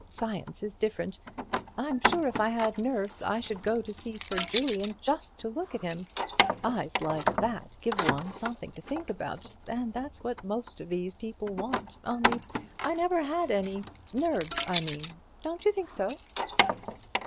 Science is different—I'm sure if I had nerves I should go to Sir Julian just to look at him—eyes like that give one something to think about, and that's what most of these people want, only I never had any—nerves, I mean. Don't you think so?"